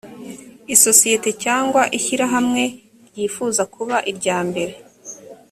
isosiyete cyangwa ishyirahamwe ryifuza kuba irya mbere